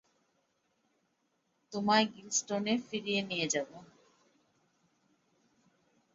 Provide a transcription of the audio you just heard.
তোমায় গিলস্টনে ফিরিয়ে নিয়ে যাবো।